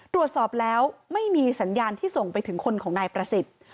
ตรวจสอบแล้วไม่มีสัญญาณที่ส่งไปถึงคนของนายประสิทธิ์